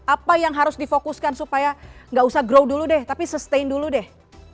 apa yang harus difokuskan supaya nggak usah grow dulu deh tapi sustain dulu deh